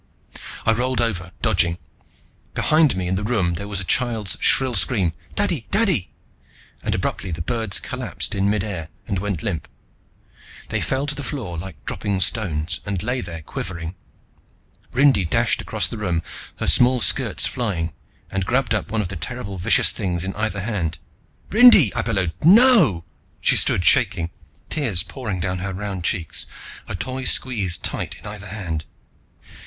I rolled over, dodging. Behind me in the room there was a child's shrill scream: "Daddy! Daddy!" And abruptly the birds collapsed in midair and went limp. They fell to the floor like dropping stones and lay there quivering. Rindy dashed across the room, her small skirts flying, and grabbed up one of the terrible vicious things in either hand. "Rindy!" I bellowed. "No!" She stood shaking, tears pouring down her round cheeks, a Toy squeezed tight in either hand.